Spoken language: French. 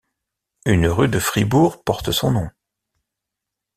Une rue de Fribourg porte son nom.